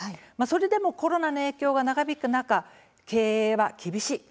それでもコロナの影響が長引く中経営は厳しい